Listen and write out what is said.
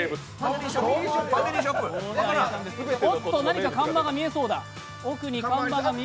おっと何か、看板が見えそうだ。